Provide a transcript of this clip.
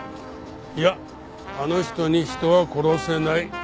いやあの人に人は殺せない。